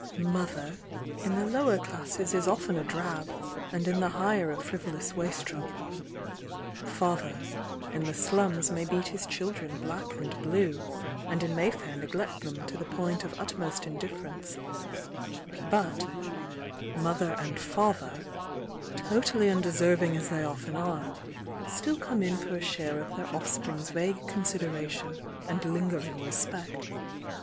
"Mother" in the lower classes is often a drab, and in the higher a frivolous wastrel; "father" in the slums may beat his children black and blue, and in Mayfair neg lect them to the point of utmost indifference, — but "mother and father," totally undeserving as they often are, still come in for a ^are of their offspring's vague consideration and lingering respect.